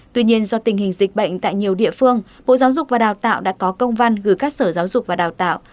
tuy nhiên do tình hình dịch bệnh tại nhiều địa phương bộ giáo dục và đào tạo đã có công văn gửi các sở giáo dục và đào tạo